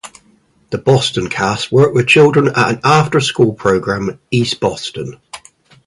The Boston cast worked with children at an after-school program in East Boston.